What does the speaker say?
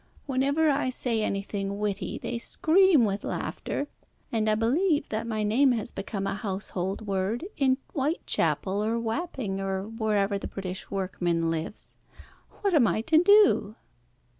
Whenever I say anything witty they scream with laughter, and I believe that my name has become a household word in Whitechapel or Wapping, or wherever the British workman lives? What am I to do?"